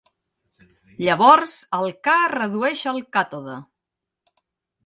Llavors, el Ca redueix el càtode.